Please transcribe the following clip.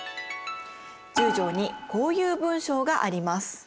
１０条にこういう文章があります。